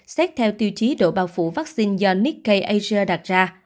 xét theo tiêu chí độ bao phủ vaccine do nikkei asia đặt ra